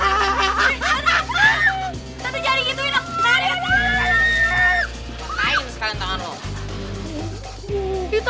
tante aku jahat banget cuma